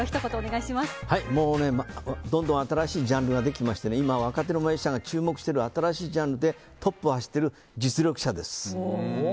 もうどんどん新しいジャンルが出てきて今、若手のマジシャンが注目している新しいジャンルでトップを走っている実力者です。